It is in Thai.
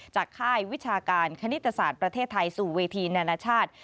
ค่ายวิชาการคณิตศาสตร์ประเทศไทยสู่เวทีนานาชาติ